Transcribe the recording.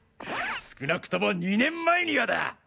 少なくとも２年前にはだ！